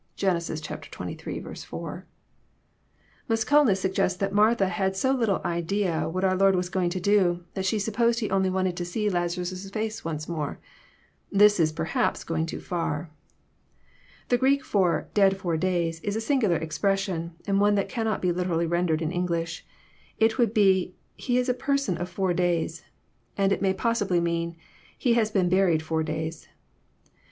(Gen. zxiii. 4.) Musculus suggests that Martha had so little idea what our Lord was going to do, that she supposed He only wanted to see Lazarus' face once more. This is perhaps going too far. The Greek for "dead four days," is a singular expression, and one that cannot be literally rendered in English. It would be •*He is a person of four days, and it may possibly mean, " He has been buried four days."